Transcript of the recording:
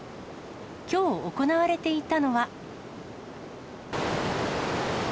きょう行われていたのは。